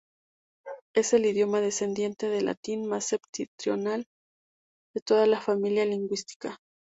Es el idioma descendiente del latín más septentrional de toda la familia lingüística.